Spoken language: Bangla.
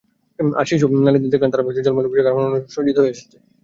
আর নারী শিশুদের দেখলেন, তারা ঝলমলে পোষাক আর অনন্য অলংকারে সজ্জিত হয়ে এসেছে।